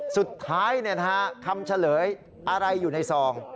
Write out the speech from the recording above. สุดท้ายคำเฉลยอะไรอยู่ในซอง